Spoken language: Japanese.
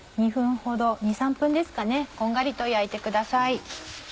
２３分ですかねこんがりと焼いてください。